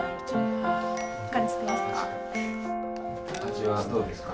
味はどうですか？